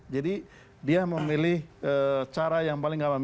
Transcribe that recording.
jadi dia memilih cara yang paling nggak apa apa